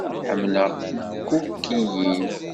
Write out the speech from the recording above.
Ḥemmleɣ tikukiyin.